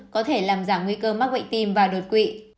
có thể làm giảm nguy cơ mắc bệnh tim và đột quỵ